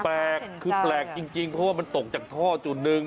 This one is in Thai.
แปลกคือแปลกจริงเพราะว่ามันตกจากท่อจุดหนึ่ง